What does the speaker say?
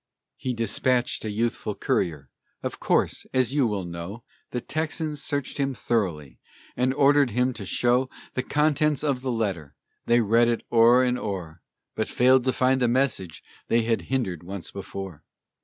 He dispatched a youthful courier. Of course, as you will know, The Texans searched him thoroughly and ordered him to show The contents of the letter. They read it o'er and o'er, But failed to find the message they had hindered once before.